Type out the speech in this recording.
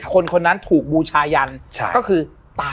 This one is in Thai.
คนทางถูกบูชายรก็คือ